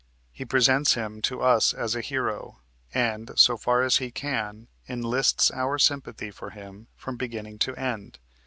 He presents him to us as a hero, and, so far as he can, enlists our sympathy for him from beginning to end.